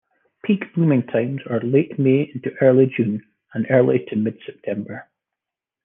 Peak blooming times are late May into early June, and early to mid-September.